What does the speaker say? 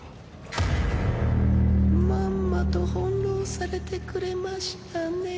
まんまと翻弄されてくれましたね